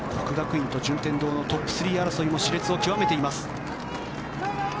國學院と順天堂のトップ３争いも熾烈を極めています。